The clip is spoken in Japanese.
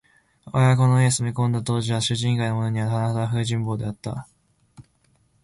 吾輩がこの家へ住み込んだ当時は、主人以外のものにははなはだ不人望であった